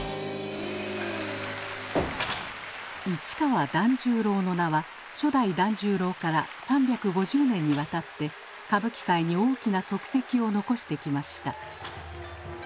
市川團十郎の名は初代團十郎から３５０年にわたって歌舞伎界に大きな足跡を残してきました。